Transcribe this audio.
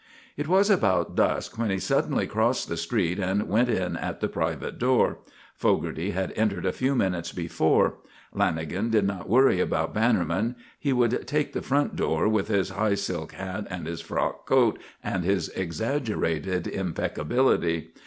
It was about dusk when he suddenly crossed the street and went in at the private door. Fogarty had entered a few minutes before. Lanagan did not worry about Bannerman. He would take the front door, with his high silk hat and his frock coat and his exaggerated impeccability.